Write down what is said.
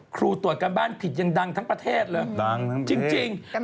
ครูตรวจการบ้านผิดอย่างดังทั้งประเทศเหรอ